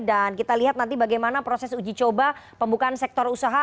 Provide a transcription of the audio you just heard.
dan kita lihat nanti bagaimana proses uji coba pembukaan sektor usaha